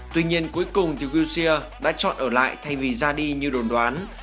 tuy nhiên cuối cùng thì wecia đã chọn ở lại thay vì ra đi như đồn đoán